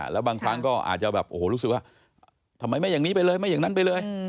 แล้วบางครั้งก็อาจจะแบบโอ้โหรู้สึกว่าทำไมไม่อย่างนี้ไปเลยไม่อย่างนั้นไปเลย